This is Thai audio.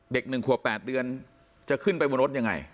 ๑ขวบ๘เดือนจะขึ้นไปบนรถยังไง